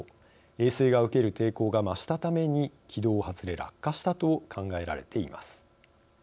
衛星が受ける抵抗が増したために軌道を外れ落下したと考えられています。